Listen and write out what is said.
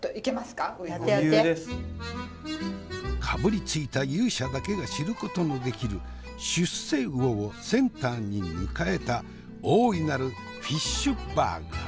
かぶりついた勇者だけが知ることのできる出世魚をセンターに迎えた大いなるフィッシュバーガー。